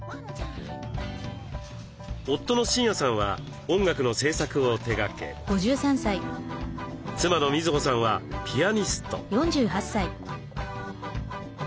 夫の真也さんは音楽の制作を手がけ妻の瑞穂さんはピアニスト。